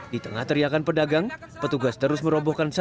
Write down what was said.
di tengah teriakan pedagang petugas terus merobohkan sampah